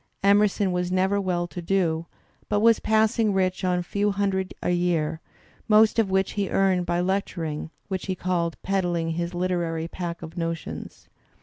Emerson was never well to do, but was passing rich on a few hundred a year, most of which he earned by lecturing, which he called "peddling his Uterary pack of notions."